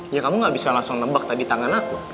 ya kamu gak bisa langsung nebak tadi tangan aku